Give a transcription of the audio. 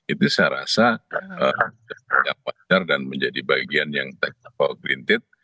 itu saya rasa yang wajar dan menjadi bagian yang taken for granted